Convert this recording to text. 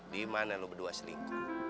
dimana lu berdua sering